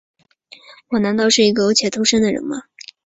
我难道是一个苟且偷生的人吗？